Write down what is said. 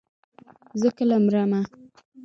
زه کله مرمه.